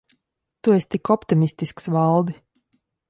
Tu esi tik optimistisks, Valdi.